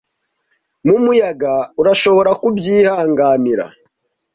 Mu muyaga. Urashobora kubyihanganira,